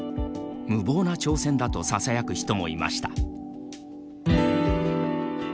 無謀な挑戦だとささやく人もいました。